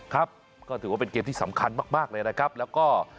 ครับก็ถือว่าเป็นเกมที่สำคัญมากเลยนะครับแล้วก็